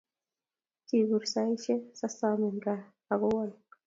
kipur saishe sasamen Kaa akowo